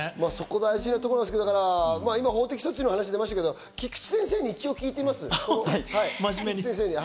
大事なところなんですけど、法的措置の話が出てきましたけど、菊地先生に一応聞いています。